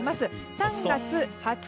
３月２０日。